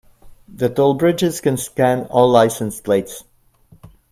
The toll bridges scan all license plates.